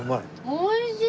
おいしい！